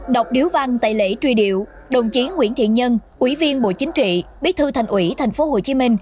đọc điếu văn tại lễ truy điệu đồng chí nguyễn thiện nhân ủy viên bộ chính trị bí thư thành ủy tp hcm